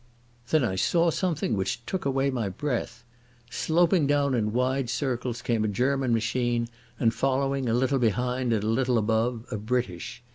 Then I saw something which took away my breath. Sloping down in wide circles came a German machine, and, following, a little behind and a little above, a British.